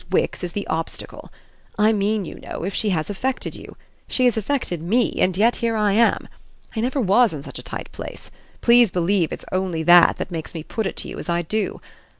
Wix is the obstacle; I mean, you know, if she has affected you. She has affected ME, and yet here I am. I never was in such a tight place: please believe it's only that that makes me put it to you as I do.